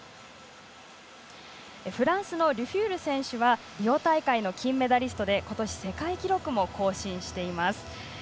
フランスのルフュール選手はリオ大会の金メダリストで今年、世界記録も更新しています。